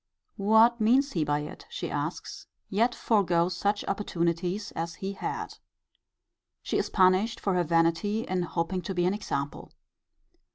What means he by it, she asks, yet forego such opportunities as he had? She is punished for her vanity in hoping to be an example.